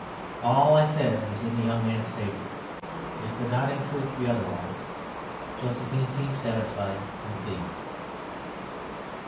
All I said was in the young man's favor it could not, in truth, be otherwise. Josephine seemed satisfied and pleased.